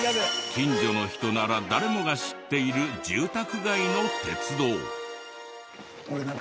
近所の人なら誰もが知っている住宅街の鉄道。